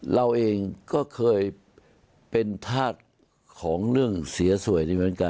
เราเองก็เคยเป็นธาตุของเรื่องเสียสวย